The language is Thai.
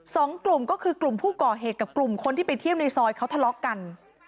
สองกลุ่มก็คือกลุ่มผู้ก่อเหตุกับกลุ่มคนที่ไปเที่ยวในซอยเขาทะเลาะกัน